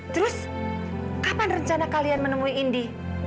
terus kapan rencana kalian menemui indi